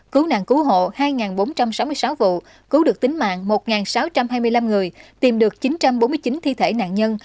cứu nạn cứu hộ hai bốn trăm sáu mươi sáu vụ cứu được tính mạng một sáu trăm hai mươi năm người tìm được chín trăm bốn mươi chín thi thể nạn nhân